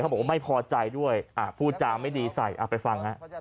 เขาบอกว่าไม่พอใจด้วยอ่าพูดจำไม่ดีใส่อ่าไปฟังน่ะ